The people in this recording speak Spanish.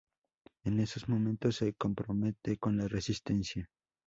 En esos momentos se compromete con la Resistencia.